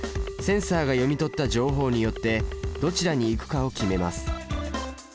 センサが読み取った情報によってどちらに行くかを決めます。